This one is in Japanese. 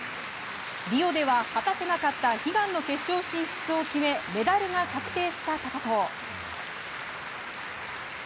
リオでは果たせなかった悲願の決勝進出を決めメダルが確定した高藤。